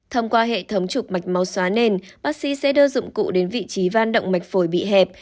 thông qua hệ thống chụp mạch máu xóa nền bác sĩ sẽ đưa dụng cụ đến vị trí van động mạch phổi bị hẹp